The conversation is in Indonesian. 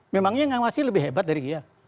memangnya ngawasi lebih hebat dari dia